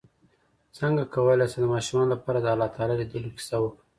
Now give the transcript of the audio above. څنګه کولی شم د ماشومانو لپاره د الله تعالی لیدلو کیسه وکړم